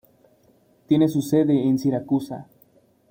Tiene su sede en Siracusa.